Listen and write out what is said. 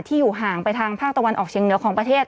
อยู่ห่างไปทางภาคตะวันออกเชียงเหนือของประเทศ